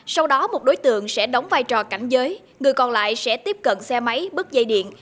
sau đó một đối tượng sẽ đóng vai trò cảnh giới người còn lại sẽ tiếp cận xe máy bức dây điện